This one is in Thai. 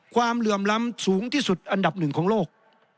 เหลื่อมล้ำสูงที่สุดอันดับหนึ่งของโลก